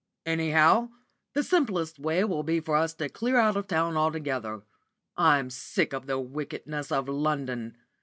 Anyhow the simplest way will be for us to clear out of town altogether. I'm sick of the wickedness of London.